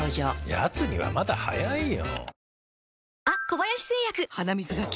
やつにはまだ早いよ。